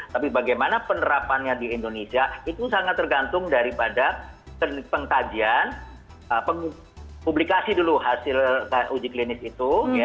tapi bagaimana penerapannya di indonesia itu sangat tergantung daripada pengkajian publikasi dulu hasil uji klinis itu